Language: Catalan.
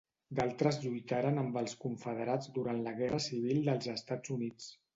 D'altres lluitaren amb els confederats durant la Guerra civil dels Estats Units.